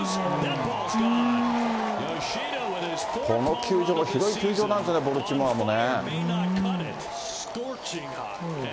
この球場も広い球場なんですよね、ボルチモアもね。